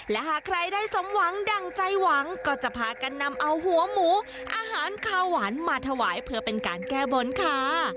และหากใครได้สมหวังดั่งใจหวังก็จะพากันนำเอาหัวหมูอาหารข้าวหวานมาถวายเพื่อเป็นการแก้บนค่ะ